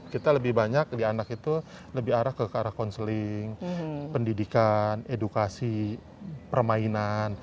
kita lebih banyak di anak itu lebih arah ke arah konseling pendidikan edukasi permainan